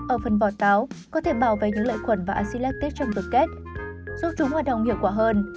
ở phần bọt táo có thể bảo vệ những lợi khuẩn và acid lactic trong cơ kết giúp chúng hoạt động hiệu quả hơn